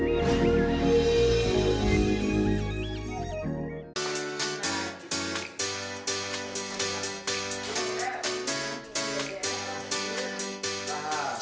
terima kasih aditi